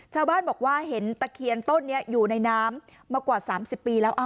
ชาวบ้านบอกว่าเห็นตะเคียนต้นนี้อยู่ในน้ำมากว่า๓๐ปีแล้ว